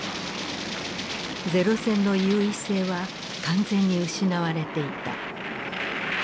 零戦の優位性は完全に失われていた。